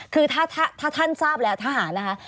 คือถ้าท่านทราบแล้วทหารนะคะ